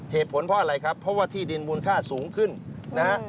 เหตุผลเพราะอะไรครับเพราะว่าที่ดินมูลค่าสูงขึ้นนะฮะ